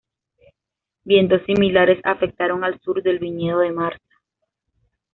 Vientos similares afectaron al sur del viñedo de Martha.